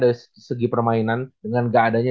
dari segi permainan dengan gak adanya